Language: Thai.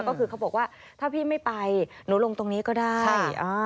ก็คือเขาบอกว่าถ้าพี่ไม่ไปหนูลงตรงนี้ก็ได้